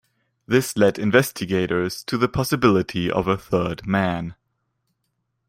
This led investigators to the possibility of a third man.